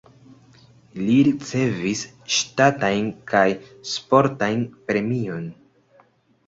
Li ricevis ŝtatajn kaj sportajn premiojn.